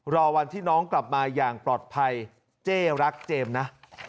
รอวันที่น้องกลับมาอย่างปลอดภัยเจ๊รักเจมส์นะ